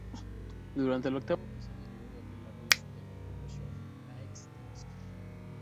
Durante el octavo episodio llegó Gabriela Ruiz de "Acapulco Shore" la ex de Oscar.